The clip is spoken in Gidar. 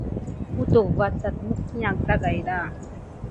Kutuk va tät mume kam kehokini sigani.